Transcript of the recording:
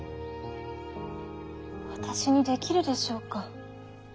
私にできるでしょうか。